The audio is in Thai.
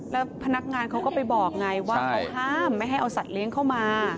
แล้วพนักงานเขาก็ไปบอกไงว่าเขาห้ามไม่ให้เอาสัตว์เลี้ยงเข้ามา